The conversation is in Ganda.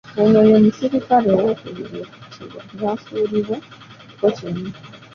Ono ye musirikale owookubiri okuttibwa n'asuulibwa mu kifo kino.